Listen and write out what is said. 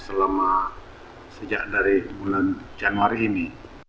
selama sejak dari bulan januari ini